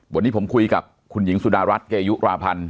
วันนี้ผมคุยกับคุณหญิงสุดารัฐเกยุราพันธ์